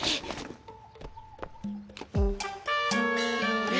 あれ？